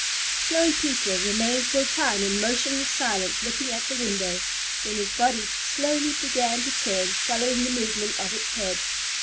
Snowy Peter remained for a time in motionless silence looking at the window. Then his body slowly began to turn, following the movement of its head.